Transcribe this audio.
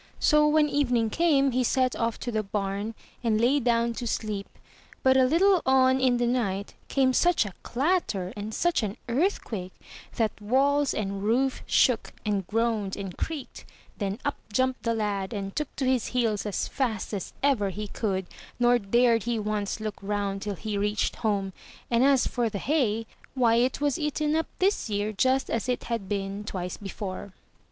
So, when evening came, he set off to the barn, and lay down to sleep; but a Uttle on in the night came such a clatter, and such an earthquake, that walls and roof shook, and groaned, and creaked; then up jumped the lad, and took to his heels as fast as ever he could; nor dared he once look roimd till he reached home; and as for the hay, why it was eaten up this year just as it had been twice before.